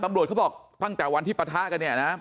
ตำรวจเขาบอกตั้งแต่วันที่ปะทะกันเนี่ยนะ